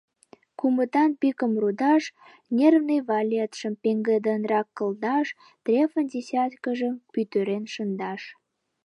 Кумытан пикым рудаш, нервный валетшым пеҥгыдынрак кылдаш, трефын десяткыжым пӱтырен шындаш...